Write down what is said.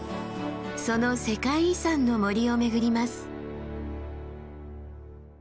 その世界遺産の森を巡ります。